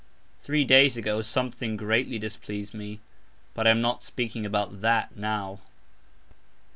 Three days ago "something" greatly displeased me, but I am not speaking about "that" now.